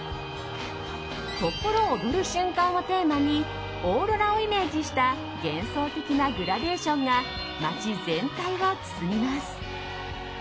心躍る瞬間をテーマにオーロラをイメージした幻想的なグラデーションが街全体を包みます。